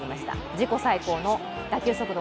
自己最高の打球速度